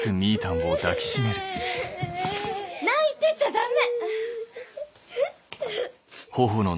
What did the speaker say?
泣いてちゃダメ。